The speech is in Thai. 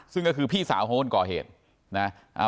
ซึ่งก็คือพี่สาวของคนก่อเหตุนะ